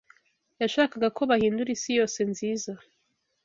Yashakaga ko bahindura isi yose nziza